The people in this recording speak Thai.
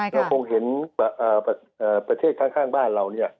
เราคงเห็นประเทศข้างบ้านเราเนี่ย